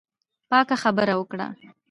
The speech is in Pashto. پاکه خبره وکړه.